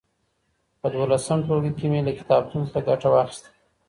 په دولسم ټولګي کي مي له کتابتون څخه ګټه واخيسته.